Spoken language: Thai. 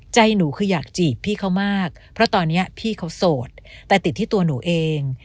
ใจหนูคืออยากจีบพี่เขามากเพราะตอนนี้พี่เขาโสดแต่ติดที่ตัวหนูเอง